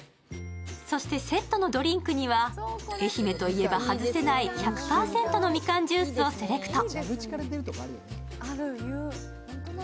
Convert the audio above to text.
セットのドリンクには愛媛といえば外せない１００％のみかんジュースをセレクト。